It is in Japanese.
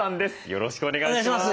よろしくお願いします。